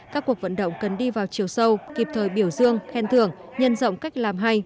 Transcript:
các cuộc vận động cần đi vào chiều sâu kịp thời biểu dương khen thưởng nhân rộng cách làm hay